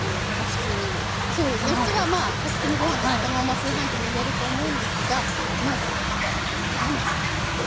普通は炊き込みご飯だとこのまま炊飯器に入れると思うんですがまず炒めていきます。